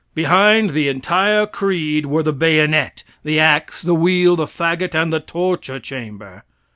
Behind the entire creed were the bayonet, the ax, the wheel, the fagot, and the torture chamber.